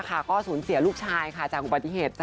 ก็สูญเสียลูกชายจากอุบัติเหตุ